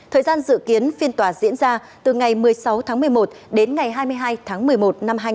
thời gian dự kiến phiên tòa diễn ra từ ngày một mươi sáu tháng một mươi một đến ngày hai mươi hai tháng một mươi một năm hai nghìn hai mươi